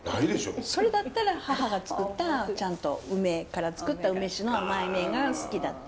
それだったら母が作ったちゃんと梅から作った梅酒の甘いめが好きだった。